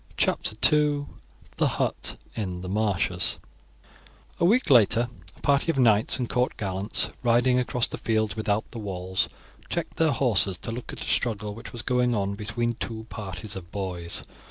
CHAPTER II: THE HUT IN THE MARSHES A week later a party of knights and court gallants, riding across the fields without the walls, checked their horses to look at a struggle which was going on between two parties of boys.